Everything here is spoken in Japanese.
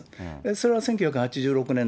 それは１９８６年の８月。